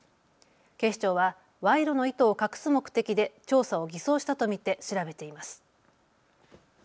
警視庁は賄賂の意図を隠す目的で調査を偽装したと見て調べています。